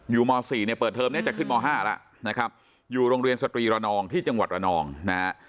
ม๔เนี่ยเปิดเทอมเนี่ยจะขึ้นม๕แล้วนะครับอยู่โรงเรียนสตรีระนองที่จังหวัดระนองนะฮะ